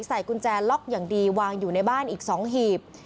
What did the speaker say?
ใส่กุญแจล็อกอย่างดีวางอยู่ในบ้านอีก๒หีบ